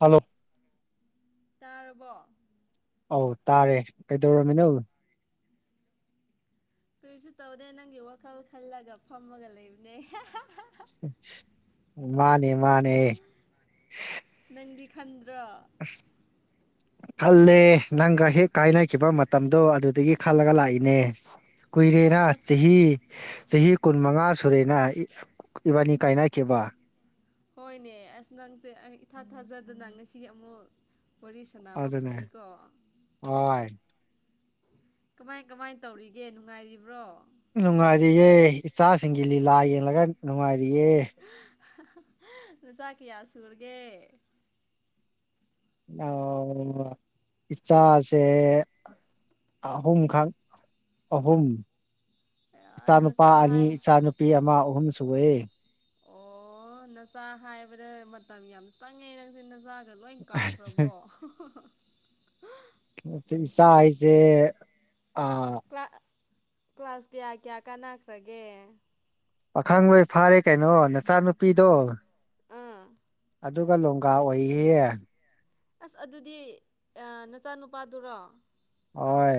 hello ꯇꯥꯔꯕ ꯑꯧ ꯇꯥꯔꯦ ꯀꯩꯗꯧꯔꯝꯃꯤꯅꯣ ꯀꯔꯤꯁꯨ ꯇꯧꯗꯦ ꯅꯪꯒꯤ ꯋꯥꯈꯜ ꯈꯜꯂꯒ ꯐꯝꯃꯒ ꯂꯩꯕꯅꯦ ꯃꯥꯅꯦ ꯃꯥꯅꯦ ꯅꯪꯗꯤ ꯈꯟꯗ꯭ꯔꯣ ꯑ ꯈꯜꯂꯦ ꯅꯪꯒ ꯍꯦꯛ ꯀꯥꯏꯅꯈꯤꯕ ꯃꯇꯝꯗꯣ ꯑꯗꯨꯗꯒꯤ ꯈꯜꯂꯒ ꯂꯥꯛꯏꯅꯦ ꯀꯨꯏꯔꯦꯅ ꯑꯁ ꯆꯍꯤ ꯆꯍꯤ ꯀꯨꯟꯃꯉꯥ ꯁꯨꯔꯦꯅ ꯏꯕꯥꯅꯤ ꯀꯥꯏꯅꯈꯤꯕ ꯍꯣꯏꯅꯦ ꯑꯁ ꯅꯪꯁꯦ ꯏꯊꯥ ꯊꯥꯖꯗꯅ ꯉꯁꯤ ꯑꯃꯨꯛ ꯋꯥꯔꯤ ꯁꯥꯟꯅꯕ ꯑꯗꯨꯅꯦ ꯐꯪꯉꯤꯀꯣ ꯍꯣꯏ ꯀꯃꯥꯏ ꯀꯃꯥꯏ ꯇꯧꯔꯤꯒꯦ ꯅꯨꯡꯉꯥꯏꯔꯤꯕ꯭ꯔꯣ ꯅꯨꯡꯉꯥꯏꯔꯤꯌꯦ ꯏꯆꯥꯁꯤꯡꯒꯤ ꯂꯤꯂꯥ ꯌꯦꯡꯂꯒ ꯅꯨꯡꯉꯥꯏꯔꯤꯌꯦ ꯅꯨ ꯆꯥꯛꯀꯤꯌꯥ ꯁꯨꯔꯒꯦ ꯑ ꯏꯆꯥꯁꯦ ꯑꯍꯨꯝ ꯈ ꯑꯍꯨꯝꯨꯝ ꯏꯆꯥꯅꯨꯄꯥ ꯅꯆꯥ ꯑꯅꯤ ꯍꯥꯏ ꯏꯆꯥꯅꯨꯄꯤ ꯑꯃ ꯑꯍꯨꯝ ꯁꯦ ꯑꯣ ꯅꯆꯥꯥꯛ ꯍꯥꯏꯕꯗ ꯃꯇꯝ ꯌꯥꯝ ꯆꯪꯉꯦ ꯅꯪꯁ ꯅꯆꯥꯥꯛ ꯑꯗꯨꯗ ꯂꯣꯏ ꯀꯥꯎꯈ꯭ꯔꯕꯣ ꯏꯁꯥ ꯍꯥꯏꯁꯦ ꯑ ꯀ꯭ꯂꯥꯁ ꯀꯌꯥ ꯀꯌꯥ ꯀꯅꯥꯈ꯭ꯔꯒꯦ ꯄꯥꯈꯪ ꯂꯣꯏ ꯐꯥꯔꯦ ꯀꯩꯅꯣ ꯅꯆꯥꯅꯨꯄꯤꯗꯣ ꯑꯥ ꯑꯗꯨꯒ ꯂꯣꯡꯒꯥ ꯑꯣꯏꯌꯦꯌꯦ ꯑꯁ ꯑꯗꯨꯗꯤ ꯅꯆꯥꯅꯨꯄꯥꯗꯨꯔꯣ ꯍꯣꯏ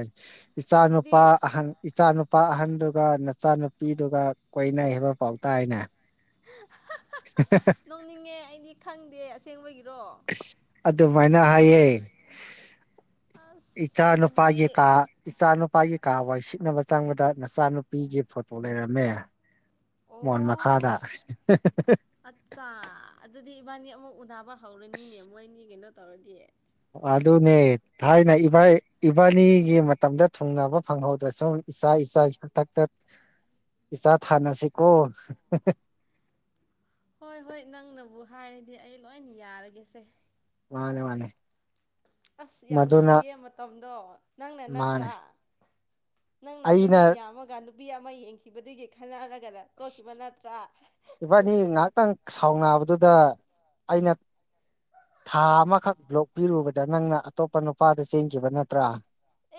ꯏꯆꯥ ꯑꯗꯨꯗꯤ ꯅꯨꯨꯄꯥ ꯑꯍꯟ ꯏꯆꯥ ꯅꯨꯨꯄꯥ ꯑꯍꯟ ꯑꯗꯨꯒ ꯅꯆꯥꯅꯨꯄꯤꯗꯨꯒ ꯀꯣꯏꯅꯩ ꯍꯥꯏꯕ ꯄꯥꯎꯇꯥꯏꯅꯦ ꯅꯣꯡꯅꯤꯡꯉꯦ ꯑꯩꯗꯤ ꯈꯪꯗꯦ ꯑꯁꯦꯡꯕꯒꯤꯔꯣ ꯑꯗꯨꯃꯥꯏꯅ ꯍꯥꯏꯌꯦ ꯑꯁ ꯏꯆꯥ ꯑꯁ ꯑꯗꯨꯗꯤ ꯑꯅꯨꯄꯥꯒꯤ ꯀ ꯏꯆꯥ ꯑꯅꯨꯄꯥꯒꯤ ꯀꯥ ꯋꯥꯏ ꯁꯤꯠꯅꯕ ꯆꯪꯕꯗ ꯅꯆꯥꯅꯨꯄꯤꯒꯤ ꯐꯣꯇꯣ ꯂꯩꯔꯝꯃꯦ ꯃꯣꯟ ꯃꯈꯥꯗ ꯑꯣ ꯑꯠꯆꯥ ꯑꯗꯨꯗꯤ ꯏꯕꯥꯅꯤ ꯑꯃꯨꯛ ꯎꯗꯥꯕ ꯍꯧꯔꯅꯤꯅꯦ ꯃꯣꯏꯅꯤ ꯀꯩꯅꯣ ꯇꯧꯔꯗꯤ ꯑꯗꯨꯅꯦ ꯊꯥꯏꯅ ꯏ ꯏꯕꯥꯅꯤꯒꯤ ꯃꯇꯝꯗ ꯊꯨꯡꯅꯕ ꯐꯪꯍꯧꯗ꯭ꯔꯁꯨ ꯏꯆꯥ ꯏꯆꯥꯒꯤ ꯃꯊꯛꯇ ꯏꯆꯥ ꯊꯥꯅꯁꯤꯀꯣ ꯍꯣꯏ ꯍꯣꯏ ꯅꯪꯅꯕꯨ ꯍꯥꯏꯔꯗꯤ ꯑꯩ ꯂꯣꯏ ꯌꯥꯔꯒꯦꯁꯦ ꯃꯥꯅꯦ ꯃꯥꯅꯦ ꯑꯁ ꯌꯥꯝ ꯃꯗꯨꯅ ꯅꯨꯡꯁꯤꯌꯦ ꯃꯇꯝꯗꯣ ꯅꯪꯅ ꯃꯥꯅꯦ ꯅꯠꯇ꯭ꯔꯥ ꯅꯪꯅ ꯑꯩꯅ ꯅꯨꯃꯤꯠ ꯌꯥꯝꯃꯒ ꯅꯨꯄꯤ ꯑꯃ ꯌꯦꯡꯈꯤꯕꯗꯒꯤ ꯈꯟꯅꯔꯒꯅ ꯇꯣꯛꯈꯤꯕ ꯅꯠꯇ꯭ꯔꯥ ꯏꯕꯥꯅꯤ ꯉꯥꯏꯍꯥꯛꯇꯪ ꯁꯥꯎꯅꯕꯗꯨꯗ ꯑꯩꯅ ꯊꯥ ꯑꯃꯈꯛ ꯕ꯭ꯂꯣꯛ ꯄꯤꯔꯨꯕꯗ ꯅꯪꯅ ꯑꯇꯣꯞꯄ ꯅꯨꯄꯥꯗ ꯆꯦꯟꯈꯤꯕ ꯅꯠꯇ꯭ꯔꯥ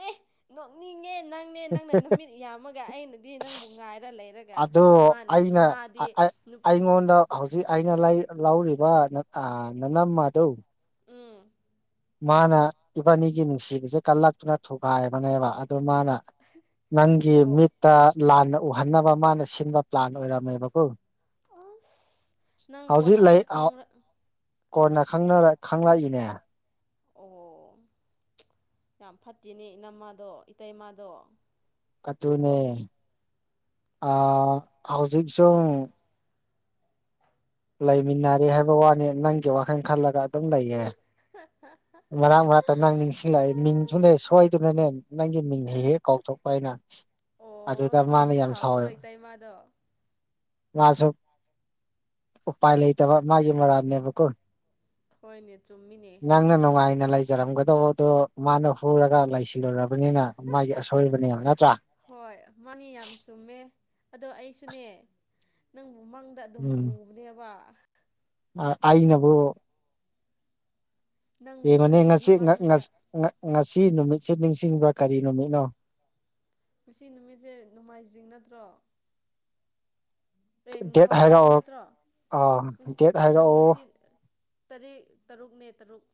ꯑꯦ ꯅꯣꯛꯅꯤꯡꯉꯦ ꯅꯪꯅꯦ ꯅꯪꯅ ꯅꯨꯃꯤꯠ ꯌꯥꯝꯃꯒ ꯑꯩꯅꯗꯤ ꯅꯪꯕꯨ ꯉꯥꯏꯔ ꯂꯩꯔꯒ ꯑ ꯃꯥꯅꯗꯤ ꯑꯩꯅ ꯃꯥꯗꯤ ꯅꯨꯄꯤ ꯑꯩꯉꯣꯟꯗ ꯍꯧꯖꯤꯛ ꯑꯩꯅ ꯂꯧꯔꯤꯕ ꯅꯅꯝ ꯑꯗꯨ ꯎꯝ ꯃꯥꯅ ꯏꯕꯥꯅꯤꯒꯤ ꯅꯨꯡꯁꯤꯕꯤꯁꯦ ꯀꯜꯂꯛꯇꯨꯅ ꯊꯨꯒꯥꯏꯕꯅꯦꯕ ꯑꯗꯨꯃꯅ ꯅꯪꯒꯤ ꯑꯣ ꯃꯤꯠꯇ ꯂꯥꯟ ꯎꯍꯟꯅꯕ ꯃꯥꯅ ꯁꯤꯟꯕ ꯄ꯭ꯂꯥꯟ ꯑꯣꯏꯔꯝꯃꯦꯕꯀꯣ ꯑꯁ ꯅꯪ ꯍꯧꯖꯤꯛ ꯀꯣꯟꯅ ꯂꯩ ꯑꯃꯨꯛ ꯈꯪ꯭ꯔ ꯀꯣꯟꯅ ꯈꯪꯂꯛꯏꯅꯦ ꯑꯣ ꯌꯥꯝ ꯐꯠꯇꯦꯅꯦ ꯏ ꯅꯝꯃꯥꯗꯣ ꯏꯇꯩꯃꯥꯗꯣ ꯅꯦ ꯑ ꯍꯧꯖꯤꯛꯁꯨ ꯂꯩꯃꯤꯟꯅꯔꯦ ꯍꯥꯏꯕ ꯋꯥꯅꯤ ꯅꯪꯒꯤ ꯋꯥꯈꯜ ꯈꯜꯂꯒ ꯑꯗꯨꯝ ꯂꯩꯌꯦꯦ ꯃꯔꯛ ꯃꯔꯛꯇ ꯅꯪ ꯅꯤꯡꯁꯤꯡꯂꯛꯑꯏ ꯃꯤꯡꯁꯨꯅꯦ ꯁꯣꯏꯗꯨꯅꯅꯦ ꯅꯪꯒꯤ ꯃꯤꯡ ꯍꯦꯛ ꯑꯥ ꯍꯦꯛ ꯀꯥꯎꯊꯣꯛꯄ ꯍꯥꯏꯅ ꯑꯣ ꯁꯥꯎꯗꯤ ꯁꯥꯎꯗ꯭ꯔꯣꯇꯥꯏ ꯃꯥꯗꯣ ꯃꯥꯁꯨ ꯎꯄꯥꯏ ꯂꯩꯇꯕ ꯃꯥꯒꯤ ꯃꯔꯥꯜꯅꯦꯕꯀꯣ ꯍꯣꯏꯅꯦ ꯆꯨꯝꯃꯤꯅꯦ ꯅꯪꯅ ꯅꯨꯡꯉꯥꯏꯅ ꯂꯩꯖꯔꯝꯒꯗꯧꯕ ꯑꯗꯨꯣ ꯃꯥꯅ ꯍꯨꯔꯒ ꯂꯩꯁꯤ ꯜꯂꯣꯏꯔꯕꯅꯤꯅ ꯃꯥꯒꯤ ꯑꯁꯣꯏꯕꯅꯦꯕ ꯅꯠꯇ꯭ꯔꯥ ꯍꯣꯏ ꯃꯥꯅꯤ ꯌꯥꯝ ꯆꯨꯝꯃꯦ ꯑꯗꯣ ꯑꯩꯁꯨꯅꯦ ꯅꯪꯕꯨ ꯃꯪꯗ ꯑꯗꯨꯝ ꯎꯕꯅꯦꯕ ꯑ ꯑꯏ ꯅꯕꯨ ꯅꯪꯕꯨ ꯌꯦꯕꯅꯤ ꯑꯩꯒꯤ ꯃꯪꯗ ꯉꯁꯤꯁꯤ ꯁꯤ ꯅꯨꯃꯤꯠꯁꯤꯦ ꯅꯤꯡꯁꯤꯡꯕ꯭ꯔꯥ ꯀꯔꯤ ꯅꯨꯃꯤꯠꯅꯣ ꯉꯁꯤ ꯅꯨꯃꯤꯠꯁꯦ ꯅꯣꯡꯃꯥꯏꯖꯤꯡ ꯅꯠꯇ꯭ꯔꯣ ꯔꯦꯟ ꯗꯦꯠ ꯅꯤꯡꯊꯧ ꯀꯥꯕ ꯍꯥꯏꯔꯛꯑꯣ ꯅꯠꯇ꯭ꯔꯣ ꯑꯥ ꯉꯁꯤ ꯗꯦꯠ ꯍꯥꯏꯔꯛꯑꯣ ꯉꯁꯤ ꯇꯔꯦꯠ ꯇꯔꯨꯛꯅꯦ ꯇꯔꯨꯛ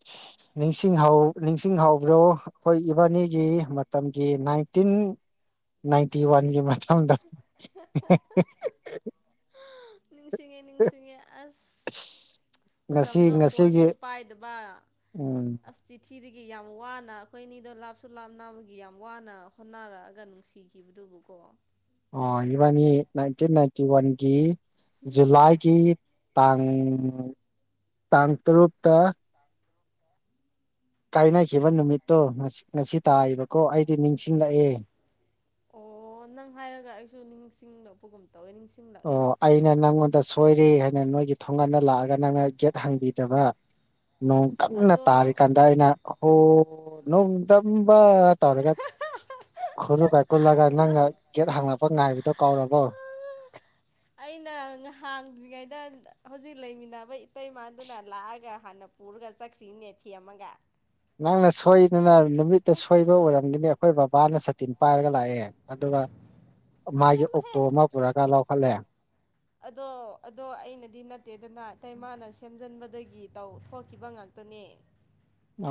[unintelligible] ꯅꯤꯡꯁꯤꯡꯍ ꯅꯤꯡꯁꯤꯡꯍꯧꯕ꯭ꯔꯣ ꯑꯩꯈꯣꯏ ꯏꯕꯥꯅꯤꯒꯤ ꯃꯇꯝꯒꯤ ꯅꯥꯏꯟꯇꯤꯟ ꯅꯥꯏꯟꯇꯤ ꯋꯥꯟꯒꯤ ꯃꯇꯝꯥꯡꯗ ꯅꯤꯡꯁꯤꯡꯉꯦ ꯅꯤꯡꯁꯤꯡꯉꯦ ꯑꯁ ꯉꯁꯤ ꯃꯇꯝꯗꯣ ꯉꯁꯤꯒꯤ ꯐꯣꯟꯁꯨ ꯄꯥꯏꯗꯕ ꯎꯝ ꯑꯁ ꯆꯤꯊꯤꯗꯒꯤ ꯑꯩꯒꯤ ꯌꯥꯝ ꯋꯥꯅ ꯑꯩꯈꯣꯏ ꯑꯅꯤꯗꯣ ꯂꯥꯞꯁꯨ ꯂꯥꯞꯅꯕꯒꯤ ꯌꯥꯝ ꯋꯥꯅ ꯍꯣꯠꯅꯔꯛꯑꯒ ꯅꯨꯡꯁꯤꯈꯤꯕꯗꯨꯕꯨꯀꯣ ꯑꯣ ꯏꯕꯥꯅꯤ ꯅꯥꯏꯟꯇꯤꯟ ꯅꯥꯏꯟꯇꯤ ꯋꯥꯟꯒꯤ ꯖꯨꯂꯥꯏꯒꯤ ꯇꯥꯡ ꯇꯥꯡ ꯇꯔꯨꯛꯇ ꯀꯥꯏꯅꯈꯤꯕ ꯅꯨꯃꯤꯠꯇꯣ ꯉꯁꯤ ꯇꯥꯏꯕꯀꯣ ꯑꯩꯗꯤ ꯅꯤꯡꯁꯤꯡꯂꯛꯑꯦ ꯑꯣ ꯅꯪ ꯍꯥꯏꯔꯒ ꯑꯩꯁꯨ ꯅꯤꯡꯁꯤꯡꯂꯛꯄꯒꯨꯝ ꯇꯧꯋꯦ ꯅꯤꯡꯁꯤꯡꯂꯛꯑꯦ ꯑꯣ ꯑꯩꯅ ꯅꯪꯉꯣꯟꯗ ꯁꯣꯏꯔꯤ ꯅꯣꯏꯒꯤ ꯊꯣꯡꯒꯥꯟꯗ ꯂꯥꯛꯑꯒ ꯅꯪꯅ ꯒꯦꯠ ꯍꯪꯕꯤꯗꯕ ꯅꯣꯡꯗꯝꯪꯅ ꯑꯗꯣ ꯇꯥꯔꯤꯀꯥꯟꯗ ꯑꯩꯅ ꯍꯣ ꯅꯣꯡꯗꯝꯪ ꯄꯥ ꯇꯧꯔꯦꯒ ꯈꯨꯔꯨ ꯀꯥꯏ ꯀꯨꯜꯂꯒ ꯅꯪꯅ ꯒꯦꯠ ꯍꯥꯡꯂꯛꯄ ꯉꯥꯏꯕꯗꯣ ꯀꯧꯔꯕꯣ ꯑꯩꯅ ꯉꯍꯥꯡꯗ꯭ꯔꯤꯉꯩꯗ ꯍꯧꯖꯤꯛ ꯂꯩꯃꯤꯟꯅꯕ ꯏꯇꯩꯃꯥꯟꯗꯨꯅ ꯂꯥꯛꯑꯒ ꯍꯥꯟꯅ ꯄꯨꯔꯒ ꯆꯈ꯭ꯔꯤꯅꯦ ꯊ ꯑꯃꯒ ꯅꯥꯡꯅ ꯁꯣꯏꯗꯅ ꯅꯨꯃꯤꯠꯇ ꯁꯣꯏꯕ ꯑꯣꯏꯔꯝꯒꯅꯤ ꯑꯩꯈꯣꯏ ꯕꯕꯥꯅ ꯁꯥꯇꯤꯟ ꯄꯥꯏꯔꯒ ꯂꯥꯛꯑꯦ ꯑꯗꯨꯒ ꯃꯥꯒꯤ ꯆꯠꯂꯣꯍꯦ ꯑꯣꯛꯇꯣ ꯑꯃ ꯄꯨꯔꯒ ꯂꯧꯈꯠꯂꯦ ꯑꯗꯣ ꯑꯗꯣ ꯑꯩꯅꯗꯤ ꯅꯠꯇꯦꯗꯅ ꯏꯇꯩ ꯃꯥꯅ ꯁꯦꯝꯖꯤꯟꯕꯗꯒꯤ ꯇꯧ ꯊꯣꯛꯈꯤꯕ ꯉꯇ ꯄꯅꯦ ꯑ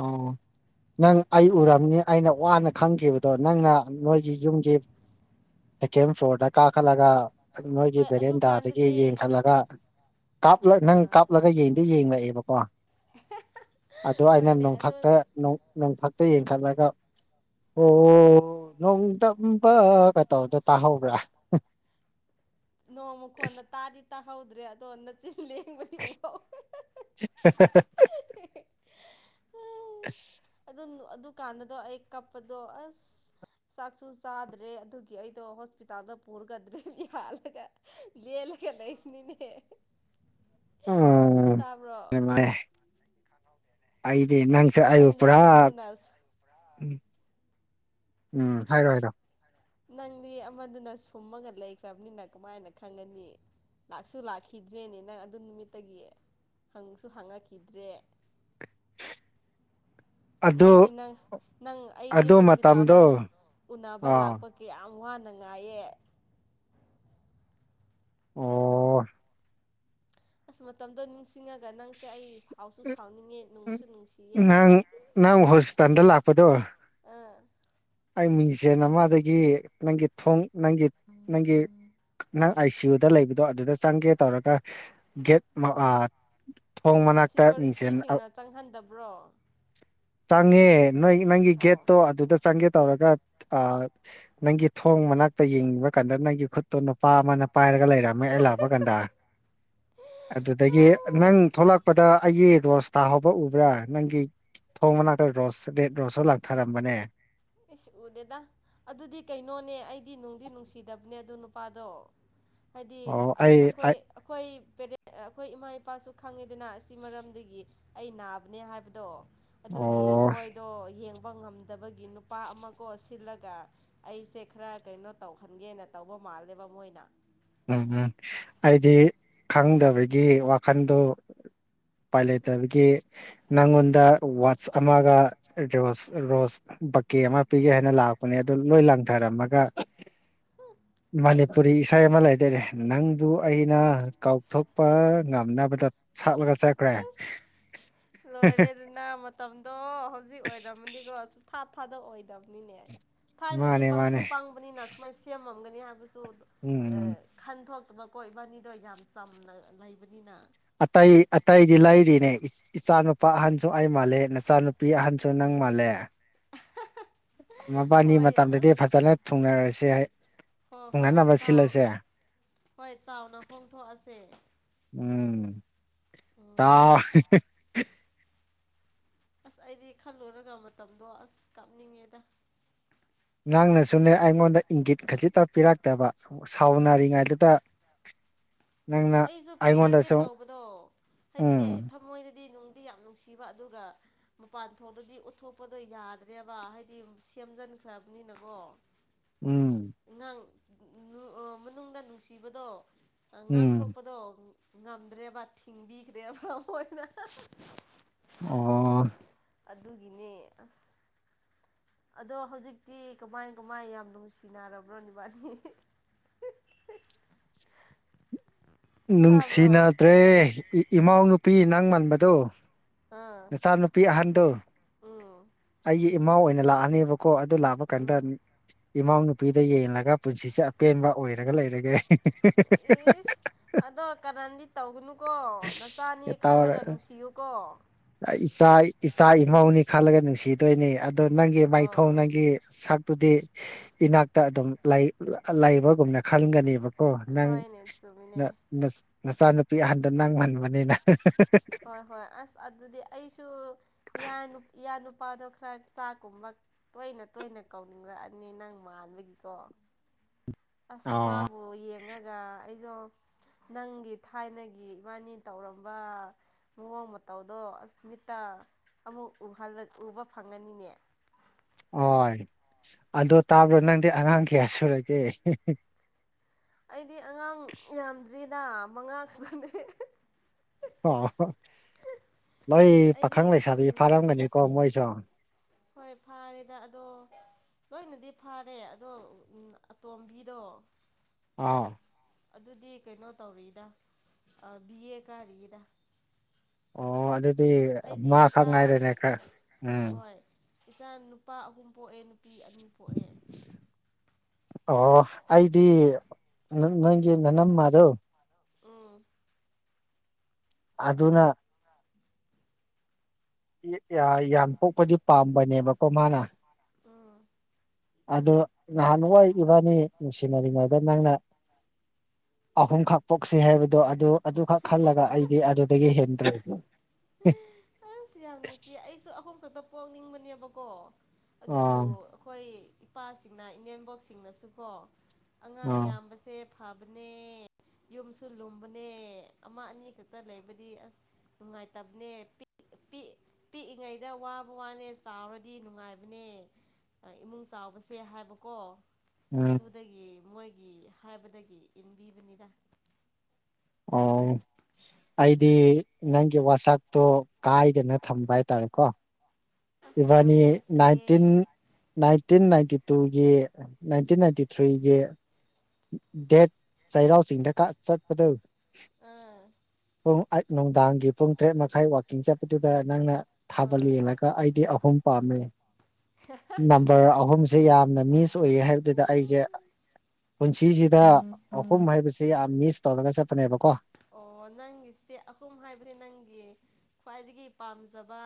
ꯅꯪ ꯑꯩ ꯎꯔꯝꯅꯤ ꯑꯩꯅ ꯋꯥꯅ ꯈꯪꯈꯤꯕꯗꯣ ꯅꯪꯅ ꯅꯣꯏꯒꯤ ꯌꯨꯝꯒꯤ ꯁꯦꯀꯦꯟ ꯐ꯭ꯂꯣꯔꯗ ꯀꯥꯈꯠꯂꯒ ꯅꯣꯏꯒꯤ ꯍꯣꯏ ꯕꯦꯔꯦꯟꯗꯥꯗꯒꯤ ꯑꯗꯨꯀꯥꯟꯗꯗꯤ ꯌꯦꯡꯈꯠꯂꯒ ꯞ ꯅꯪ ꯑꯥ ꯀꯥꯞꯂꯒ ꯌꯦꯡꯗ ꯌꯦꯡꯂꯛꯑꯦꯕꯀꯣ ꯑꯩꯅ ꯍꯣꯏꯅꯦ ꯑꯗꯣ ꯅꯣꯡꯊꯛꯇ ꯅꯣꯡꯊꯛꯇ ꯌꯦꯡꯈꯠꯂꯒ ꯑꯥ ꯑꯣ ꯅꯣꯡꯗ ꯀ ꯇꯧꯗꯣ ꯇꯥꯍꯧꯕ꯭ꯔꯥ ꯅꯣꯃꯨꯈꯣꯟꯗ ꯇꯥꯔꯤ ꯇ ꯍꯥꯎꯗ꯭ꯔꯔꯤ ꯑꯗꯨꯗꯣ ꯆ [unintelligible] ꯑꯗꯨ [unintelligible] ꯑꯗꯨꯀꯥꯟꯗꯗꯣ ꯑꯩ ꯀꯥꯞꯄꯗꯣ ꯑꯁ ꯆꯥꯛꯁꯨ ꯆꯥꯗ꯭ꯔꯦ ꯑꯗꯨꯒꯤ ꯑꯩꯗꯣ ꯍꯣꯁꯄꯤꯇꯥꯜꯗ ꯄꯨꯔꯒꯗ꯭ꯔꯦꯍ ꯂ ꯂꯒꯦ ꯅ ꯏꯃꯤꯅꯦ ꯎꯝ ꯑꯩꯗꯤ ꯅꯪꯁꯛ ꯑꯩꯕꯨ ꯅꯪꯗꯤ ꯄꯨꯔꯥ ꯑꯃꯗꯨꯅ ꯎꯝ ꯎꯝ ꯍꯥꯏꯔꯣ ꯍꯥꯏꯔꯣ ꯅꯪꯗꯤ ꯑꯃꯗꯨꯅ ꯁꯨꯝꯃꯒ ꯂꯩꯈ꯭ꯔꯕꯅꯤꯅ ꯀꯃꯥꯏꯅ ꯈꯪꯒꯅꯤ ꯂꯥꯛꯁꯨ ꯂꯥꯛꯈꯤꯗ꯭ꯔꯦꯅꯦ ꯅꯪ ꯑꯗꯨ ꯅꯨꯃꯤꯠꯇꯒꯤꯌꯦ ꯍꯪꯁꯨ ꯍꯪꯉꯛꯈꯤꯗ꯭ꯔꯦ ꯑꯗꯨ ꯑꯩꯗꯤ ꯅꯪ ꯅꯪ ꯑꯩꯗꯤ ꯑꯗꯨ ꯃꯇꯝꯗꯣ ꯍꯣꯁꯄꯤꯇꯥꯜꯗ ꯎꯅꯕ ꯑꯥ ꯂꯥꯛꯄ ꯀꯌꯥꯝ ꯋꯥꯅ ꯅꯨꯡꯉꯥꯏꯌꯦ ꯎꯝ ꯑꯣ ꯑꯁ ꯃꯇꯝꯗꯣ ꯅꯤꯡꯁꯤꯡꯉꯒ ꯅꯪꯁꯦ ꯑꯩ ꯁꯥꯎꯁꯨ ꯁꯥꯎꯅꯤꯡꯉꯦ ꯎ ꯅꯨꯡꯁꯨ ꯅꯨꯡꯁꯤꯌꯦ ꯅꯪ ꯅꯪ ꯍꯣꯁꯄꯤꯇꯥꯜꯗ ꯂꯥꯛꯄꯗꯣ ꯑꯥ ꯑꯩ ꯃꯤꯡꯁꯦꯟ ꯑꯃꯗꯒꯤ ꯅꯪꯒꯤ ꯊꯣꯡ ꯅꯪꯒꯤ ꯅꯪꯒꯤ ꯅꯪ ꯑꯥꯏ ꯁꯤ ꯌꯨꯗ ꯂꯩꯕꯗꯣ ꯑꯗꯨꯗ ꯆꯪꯒꯦ ꯇꯧꯔꯒ ꯒꯦꯠ ꯊꯣꯡ ꯃꯅꯥꯛꯇ ꯃꯤꯡꯁꯦꯟ ꯁꯤꯀꯨꯔꯤꯇꯤꯁꯤꯡꯅ ꯆꯪꯍꯟꯗꯕ꯭ꯔꯣ ꯆꯪꯉꯦ ꯅꯣꯏ ꯅꯪꯒꯤ ꯑꯣ ꯒꯦꯠꯇꯣ ꯑꯗꯨꯗ ꯆꯪꯒꯦ ꯇꯧꯔ ꯅꯪꯒꯤ ꯊꯣꯡ ꯃꯅꯥꯛꯇ ꯌꯦꯡꯕ ꯀꯥꯟꯗ ꯅꯪꯒꯤ ꯈꯨꯠꯇꯣ ꯅꯨꯄꯥ ꯑꯃꯅ ꯄꯥꯏꯔꯒ ꯂꯩꯔꯝꯃꯦ ꯁꯦ ꯑꯩ ꯂꯥꯛꯄ ꯀꯥꯟꯗ ꯑꯗꯨꯗꯒꯤ ꯑꯥ ꯅꯪ ꯊꯣꯛꯂꯛꯄꯗ ꯑꯩꯒꯤ ꯔꯣꯁ ꯇꯥ ꯍꯧꯕ ꯎꯕ꯭ꯔꯥ ꯅꯪꯒꯤ ꯊꯣꯡ ꯃꯅꯥꯛꯇ ꯔꯣꯁ ꯔꯦꯠ ꯔꯣꯁꯁꯨ ꯂꯥꯛꯊꯔꯝꯕꯅꯦ ꯏꯁꯁ ꯎꯗꯦꯗ ꯑꯗꯨꯗꯤ ꯀꯩꯅꯣꯅꯦ ꯑꯩꯗꯤ ꯅꯨꯡꯗꯤ ꯅꯨꯡꯁꯤꯗꯕꯅꯦ ꯑꯗꯨ ꯅꯨꯄꯥꯗꯣ ꯍꯥꯏꯗꯤ ꯑꯣ ꯑꯩ ꯑꯩꯈꯣꯏ ꯑꯩ ꯑꯩꯈꯣꯏ ꯄꯦꯔꯦꯟ ꯑꯩꯈꯣꯏ ꯏꯃꯥ ꯏꯄꯥꯁꯨ ꯈꯪꯉꯤꯗꯅ ꯑꯁꯤ ꯃꯔꯝꯗꯒꯤ ꯑꯩ ꯅꯥꯕꯅꯦ ꯍꯥꯏꯕꯗꯣ ꯑꯗꯨꯒꯤ ꯑꯣ ꯃꯣꯏꯗꯣ ꯌꯦꯡꯕ ꯉꯝꯗꯕꯒꯤ ꯅꯨꯄꯥ ꯑꯃ ꯀꯣꯁꯤꯜꯂꯒ ꯑꯩꯁꯦ ꯈꯔ ꯀꯩꯅꯣ ꯇꯧꯍꯟꯒꯦꯅ ꯇꯧꯕ ꯃꯥꯜꯂꯦꯕ ꯃꯣꯏꯅ ꯎꯝ ꯎꯝ ꯑꯩꯗꯤ ꯈꯪꯗꯕꯒꯤ ꯋꯥꯈꯟꯗꯣ ꯄꯥꯏ ꯂꯩꯇꯕꯒꯤ ꯅꯪꯉꯣꯟꯗ ꯋꯥꯠꯆ ꯑꯃꯒ ꯔꯣꯁ ꯔꯣꯁ ꯕꯛꯀꯦ ꯑꯃ ꯄꯤꯒꯦ ꯍꯥꯏꯅ ꯂꯥꯛꯄꯅꯦ ꯂꯣꯏ ꯂꯥꯡꯊꯔꯝꯃꯒ ꯃꯅꯤꯄꯨꯔꯤ ꯏꯁꯩ ꯑꯃ ꯂꯩ ꯀꯗꯔꯦ ꯅꯪꯗꯨ ꯑꯩꯅ ꯀꯥꯎꯊꯣꯛꯄ ꯉꯝꯅꯕꯗ ꯁꯥꯠꯂꯒ ꯆꯠꯈ꯭ꯔꯦ [inaudible] ꯂꯣꯏꯔꯦ ꯑꯗꯨꯅ ꯃ ꯃꯇꯝꯗꯣ ꯍꯧꯖꯤꯛ ꯑꯣꯏꯔꯝꯃꯅꯤꯀꯣ ꯁꯨꯡꯊꯥ ꯊꯥꯗ ꯑꯣꯏꯗꯕꯅꯤꯅꯦ ꯊꯥꯏꯅꯗꯤ ꯃꯥꯅꯦ ꯄꯪꯁꯨ ꯃꯥꯅꯦ ꯄꯪꯕꯅꯤꯅ ꯁꯨꯃꯥꯏꯅ ꯁꯦꯝꯃꯝꯒꯅꯤ ꯍꯥꯏꯕꯁꯨ ꯎꯝ ꯈꯟꯣꯛ ꯃ ꯀꯣꯏꯕꯥꯅꯤꯗꯣ ꯌꯥꯝ ꯆꯝꯅ ꯂꯩꯕꯅꯤꯅ ꯑꯇꯩ ꯑꯇꯩꯗꯤ ꯂꯩꯔꯤꯅꯦ ꯏꯆꯥꯅꯨꯄꯥ ꯑꯍꯟꯁꯨ ꯑꯩ ꯃꯥꯜꯂꯦ ꯅꯆꯥꯅꯨꯄꯤ ꯑꯍꯟꯁꯨ ꯅꯪ ꯨ ꯃꯥꯜꯂꯦ ꯃꯕꯥꯅꯤ ꯍꯣꯏ ꯃꯇꯝꯗꯗꯤ ꯑꯁ ꯐꯖꯅ ꯊꯨꯡꯅꯔꯁꯤ ꯍꯥꯏ ꯍꯣꯏ ꯍꯣꯏ ꯇꯨꯡꯍꯟꯅꯅꯕ ꯆꯥꯎ ꯁꯤꯜꯂꯁꯦ ꯍꯣꯏ ꯆꯥꯎꯅ ꯐꯣꯡꯊꯣꯛꯑꯁꯦ ꯎꯝ ꯎꯝ ꯇ ꯑꯁ ꯑꯩꯗꯤ ꯈꯜꯂꯣꯏꯨꯔꯒ ꯃꯇꯝꯗꯣ ꯑꯁ ꯀꯥꯞꯅꯤꯡꯉꯦꯗ ꯅꯪꯅꯁꯨꯅꯦ ꯑꯩꯉꯣꯟꯗ ꯏꯪꯒꯤꯠ ꯈꯖꯤꯛꯇ ꯄꯤꯔꯛꯇꯕ ꯁꯥꯎꯅꯔꯤꯉꯩꯗꯨꯗ [inaudible] ꯑꯩꯁꯨ ꯄꯤꯔꯛꯀꯦ ꯑꯩꯉꯣꯟꯗꯁꯨ ꯇꯧꯕꯗꯣ ꯍꯥꯏꯗꯤꯅꯦ ꯎꯝ ꯊꯝꯃꯣꯏꯗꯗꯤ ꯌꯥꯝ ꯅꯨꯡꯁꯤꯕ ꯑꯗꯨꯒ ꯃꯄꯥꯟ ꯊꯣꯛꯇꯗꯤ ꯎꯠꯊꯣꯛꯄꯗꯣ ꯌꯥꯗ꯭ꯔꯦꯕ ꯍꯥꯏꯗꯤ ꯁꯦꯝꯖ ꯈ꯭ꯔꯥꯕꯅꯤ ꯅꯀꯣ ꯎꯝ ꯅꯪ ꯃꯅꯨꯡꯗ ꯅꯨꯡꯁꯤꯕꯗꯣ ꯎꯝ ꯉꯥꯡꯊꯣꯛꯄꯗꯣ ꯉꯝꯗ꯭ꯔꯦꯕ ꯊꯤꯡꯕꯤꯈ꯭ꯔꯦꯕ ꯃꯣꯏꯅ ꯑꯣ ꯑꯗꯨꯒꯤꯅꯦ ꯑꯁ ꯑꯗꯣ ꯍꯧꯖꯤꯛꯇꯤ ꯀꯃꯥꯏ ꯀꯃꯥꯏ ꯌꯥꯝ ꯅꯨꯡꯁꯤꯅꯔꯕ꯭ꯔꯣ ꯕꯥꯅꯤ [inaudible] [inaudible] ꯇꯥꯕ꯭ꯔꯣ ꯅꯨꯡꯁꯤꯅꯗ꯭ꯔꯦ ꯏꯃꯎ ꯅꯨꯨꯄꯤ ꯅꯪ ꯃꯟꯕꯗꯣ ꯑꯥ ꯅꯆꯥꯅꯨꯄꯤ ꯑꯍꯟꯗꯨ ꯎꯝ ꯑꯩꯒꯤ ꯏꯃꯥ ꯑꯣꯏꯅ ꯂꯥꯛꯑꯅꯦꯕ ꯀꯣ ꯑꯗꯨ ꯂꯥꯛꯄ ꯀꯥꯟꯗ ꯎꯝ ꯏꯃꯥ ꯅꯨ ꯅꯨꯄꯤꯗ ꯌꯦꯡꯂꯒ ꯄꯨꯟꯁꯤꯁꯦ ꯑꯄꯦꯟꯕ ꯑꯣꯏꯔꯒ ꯂꯩꯔꯒꯦ ꯏꯁ ꯑꯗꯣ ꯀꯅꯥꯗꯤ ꯇꯧꯒꯅꯨꯀꯣ ꯅꯆꯥꯅꯤ ꯇꯧꯔ ꯈꯜꯂꯒ ꯅꯨꯡꯁꯤꯌꯨꯀꯣ ꯏꯆꯥ ꯏꯆꯥ ꯏꯃꯧꯅꯤ ꯈꯜꯂꯒ ꯅꯨꯡꯁꯤꯗꯣꯏꯅꯤ ꯑꯗꯨꯗꯣ ꯅꯪꯒꯤ ꯃꯥꯏꯊꯣꯡ ꯑꯣ ꯅꯪꯒꯤ ꯁꯛ ꯇꯨꯗꯤ ꯏꯅꯥꯛꯇ ꯑꯗꯨꯝ ꯂꯩꯕꯒꯨꯝꯅ ꯈꯟꯒꯅꯦꯕ ꯀꯣ ꯅꯪ ꯍꯣꯏꯅꯦ ꯆꯨꯝꯃꯤꯅꯦ ꯅꯆꯥꯅꯨꯄꯤ ꯑꯍꯟꯗ ꯅꯪ ꯍꯟꯕꯅꯤꯅ ꯍꯣꯏ ꯍꯣꯏ ꯑꯁ ꯑꯗꯨꯗꯤ ꯑꯩꯁꯨ ꯏ ꯅꯨꯄꯥꯗꯣ ꯈꯔ ꯆꯥꯛꯀꯨꯝꯕ ꯇꯣꯏꯅ ꯇꯣꯏꯅ ꯀꯧꯅꯤꯡꯔꯛꯑꯅꯤ ꯅꯪ ꯃꯥꯟꯕꯒꯤꯀꯣ [inaudible] ꯑ ꯑꯁꯃꯥꯕꯨꯣ ꯌꯦ ꯆꯪꯉꯒ ꯑꯩꯗꯣ ꯅꯪꯒꯤ ꯊꯥꯏꯅꯒꯤ ꯏꯕꯥꯅꯤ ꯇꯧꯔꯝꯕ ꯃꯑꯣꯡ ꯃꯇ ꯃꯇꯧꯗꯣ ꯑꯁꯃꯤꯇꯥ ꯑꯃꯨꯛ ꯎꯕ ꯐꯪꯉꯅꯤꯅꯦ ꯍꯣꯏ ꯑꯗꯨ ꯇꯥꯕ꯭ꯔꯣ ꯅꯪꯗꯤ ꯑꯉꯥꯡ ꯀꯌꯥ ꯁꯨꯔꯒꯦ ꯑꯁ ꯗꯥ ꯃꯉꯥꯡꯁꯨꯅꯦ ꯑ ꯂꯣꯏ ꯄꯥꯈꯪ ꯑꯩꯗꯤ ꯂꯩꯁꯥꯕꯤ ꯎꯝ ꯐꯥꯔꯝꯒꯅꯤꯀꯣ ꯃꯣꯏꯁꯨ ꯍꯣꯏ ꯐꯥꯔꯦꯗ ꯑꯗꯣ ꯂꯣꯏꯅꯗꯤ ꯐꯔꯦ ꯑꯗꯣ ꯑꯇꯣꯝꯕꯤꯗꯣ ꯑꯥ ꯑꯗꯨꯗꯤ ꯀꯩꯅꯣ ꯇꯧꯔꯤꯗ ꯕꯤ ꯑꯦ ꯀꯥꯔꯤꯗ ꯑꯣ ꯑꯗꯨꯗꯤ ꯑꯩꯗꯤ ꯃꯥ ꯈꯛ ꯏꯆꯥ ꯉꯥꯏꯔꯦꯅꯦ ꯈꯔ ꯎꯝ ꯍꯣꯏ ꯏꯆꯥ ꯅꯨꯄꯥ ꯑꯍꯨꯝ ꯄꯣꯛꯑꯦ ꯅꯨꯄꯤ ꯑꯅꯤ ꯄꯣꯛꯑꯦ ꯑꯣ ꯑꯩꯗꯤ ꯅꯪꯒꯤ ꯅ ꯅꯝꯃꯗꯣ ꯎꯝ ꯑꯗꯨ ꯑꯗꯨꯅ ꯌꯥꯝ ꯄꯣꯛꯄꯗꯤ ꯄꯥꯝꯕꯅꯦꯕꯀꯣ ꯃꯥꯅ ꯑꯣ ꯑ ꯅꯍꯥꯟ ꯑꯣꯏꯈꯤꯕꯅꯤ ꯅꯨꯡꯁꯤꯅꯔꯤꯉꯩꯗ ꯅꯪꯅ ꯑꯍꯨꯝꯈꯛ ꯄꯣꯛꯁꯤ ꯍꯥꯏꯕꯗꯣ ꯑꯗꯨ ꯑꯗꯨꯈꯛ ꯈꯜꯂꯒ ꯑꯩꯗꯤ ꯑꯗꯨꯗꯒꯤ ꯍꯦꯟꯗ꯭ꯔꯦ ꯎ ꯌꯥꯝꯪꯁꯨ ꯌꯥꯝ ꯅꯨꯡꯁꯤꯌꯦ ꯑꯩꯁꯨ ꯑꯍꯨꯝ ꯈꯛꯇ ꯄꯣꯛꯅꯤꯡꯕꯅꯦꯕꯀꯣ ꯑꯗꯨꯕꯨ ꯑꯥ ꯑꯩꯈꯣꯏ ꯏꯄꯥꯁꯤꯡꯅ ꯏꯅꯦꯝꯕꯣꯛꯁꯤꯡꯅꯁꯨꯀꯣ ꯑꯉꯥꯡ ꯑꯥ ꯌꯥꯝꯕꯁꯦ ꯐꯕꯅꯦ ꯌꯨꯝꯁꯨ ꯂꯨꯝꯕꯅꯦ ꯑꯃ ꯑꯅꯤ ꯈꯛꯇ ꯂꯩꯕꯗꯤ ꯑꯁ ꯉꯥꯏ ꯇꯞꯅꯦ ꯄ [inaudible] ꯄꯤꯛꯏꯉꯩꯗ ꯋꯥꯕ ꯋꯥꯅꯦ ꯆꯥꯎꯔꯗꯤ ꯅꯨꯡꯉꯥꯏꯕꯅꯦ ꯏꯃꯨꯡ ꯆꯥꯎꯕꯁꯦ ꯍꯥꯏꯕꯥꯁꯤ ꯎꯝ ꯑꯗꯨꯗꯒꯤ ꯃꯣꯏꯒꯤ ꯍꯥꯏꯕꯗꯒꯤ ꯏꯟꯕꯤꯕꯅꯤꯅ ꯑꯣ ꯑꯩꯗꯤ ꯅꯪꯒꯤ ꯋꯥꯁꯛꯇꯣ ꯀꯥꯏꯗꯅ ꯊꯝꯕ ꯍꯥꯏꯇꯥꯔꯦꯀꯣ ꯑꯁ ꯌꯥꯝ ꯏꯕꯥꯅꯤ ꯅꯨꯡꯁꯤꯌꯦ ꯅꯥꯏꯟꯇꯤꯟ ꯅꯥꯏꯟꯇꯤꯟ ꯅꯥꯏꯟꯇꯤ ꯇꯨꯒꯤ ꯅꯥꯏꯟꯇꯤꯟ ꯅꯥꯏꯟꯇꯤ ꯊ꯭ꯔꯤꯒꯤ ꯗꯦꯠ ꯆꯩꯔꯥꯎ ꯆꯤꯡꯗ ꯀ ꯆꯠꯄꯗꯧ ꯑꯥ ꯑ ꯅꯨꯡꯗꯥꯡꯒꯤ ꯄꯨꯡ ꯇꯔꯦꯠ ꯃꯈꯥꯏ ꯋꯥꯛꯀꯤꯡ ꯆꯠꯄꯗꯨꯗ ꯅꯪꯅ ꯊꯥꯕꯜ ꯍꯣꯏ ꯌꯦꯡꯂꯒ ꯑꯩꯗꯤ ꯑꯍꯨꯝ ꯄꯥꯝꯃꯦ ꯅꯝꯕꫪ ꯑꯍꯨꯝꯁꯦ ꯌꯥꯝꯅ ꯃꯤꯁ ꯑꯣꯏꯌꯦ ꯍꯥꯏꯕꯗꯨꯗ ꯑꯩꯁꯦ ꯄꯨꯟꯁꯤꯁꯤꯗ ꯑꯍꯨꯝ ꯍꯥꯏꯕꯁꯤ ꯌꯥꯝ ꯃꯤꯁ ꯇꯧꯔꯒ ꯆꯠꯄꯅꯦꯕꯀꯣ ꯑꯣ ꯅꯪꯒꯤꯁꯤꯗꯤ ꯑꯍꯨꯝ ꯍꯥꯏꯕꯗꯤ ꯅꯪꯒꯤ ꯈ꯭ꯋꯥꯏꯗꯒꯤ ꯄꯥꯝꯖꯕ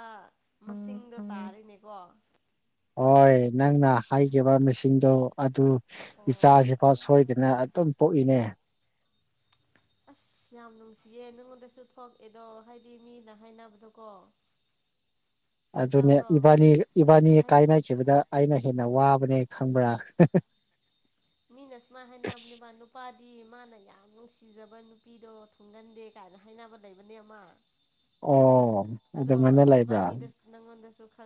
ꯃꯁꯤꯡꯗꯣ ꯇꯥꯔꯤꯅꯦꯀꯣ ꯍꯣꯏ ꯅꯪꯅ ꯍꯥꯏꯈꯤꯕ ꯃꯤꯦꯁꯤꯡꯗꯣ ꯑꯗꯨ ꯑꯣ ꯏꯆꯥꯁꯤꯐꯥꯎ ꯑꯌꯥ ꯁꯣꯏꯗꯅ ꯑꯗꯨꯝ ꯄꯣꯛꯏꯅꯦ ꯑꯁ ꯌꯥꯝ ꯅꯨꯡꯁꯤꯌꯦ ꯅꯉꯣꯟꯗꯁꯨ ꯊꯣꯛꯑꯦꯗꯣ ꯍꯥꯏꯗꯤ ꯃꯤꯅ ꯍꯥꯏꯅꯕꯗꯣ ꯀꯣ [inaudible] ꯑꯗꯨꯅꯦ ꯏꯕꯥꯅꯤ ꯏꯕꯥꯅꯤ ꯍꯥꯏ ꯀꯥꯏꯅꯈꯤꯕꯗ ꯑꯩꯅ ꯍꯦꯟꯅ ꯋꯥꯕ ꯕꯅꯦ ꯈꯪꯕ꯭ꯔ ꯃꯤ ꯃꯥꯅ ꯌꯥꯝ ꯅꯨꯡꯁꯤꯖꯕ ꯅꯨꯄꯤꯗꯣ ꯊꯨꯡꯒꯟꯗꯦ ꯀꯥꯏꯅ ꯍꯥꯏꯅꯕ ꯂꯩꯕꯅꯦ ꯑꯃ ꯑꯣ ꯑꯗꯣ ꯑꯗꯨꯃꯥꯏꯅ ꯑꯁ ꯂꯩꯕ꯭ꯔ ꯏꯕꯥꯅꯤꯗ ꯅꯪꯉꯣꯟꯗꯁꯨ ꯈꯔ